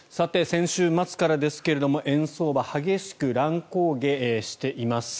先週末からですが、円相場激しく乱高下しています。